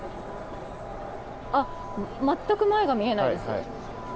全く前が見えないです。